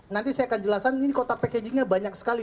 nanti saya akan jelasin ini kotak packagingnya banyak sekali